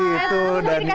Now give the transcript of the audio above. oh gitu dania